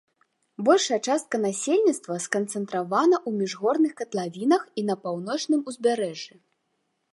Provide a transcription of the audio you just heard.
Большая частка насельніцтва сканцэнтравана ў міжгорных катлавінах і на паўночным узбярэжжы.